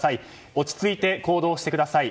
落ち着いて行動してください。